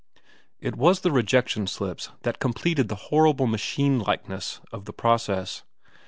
It was the rejection slips that completed the horrible machinelikeness of the process.